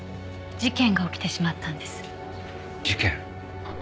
事件？